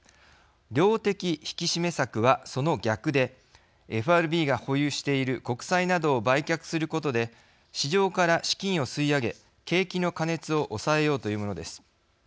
量的引き締め策はその逆でＦＲＢが保有している国債などを売却することで市場から資金を吸い上げ景気の過熱を抑えようというものです。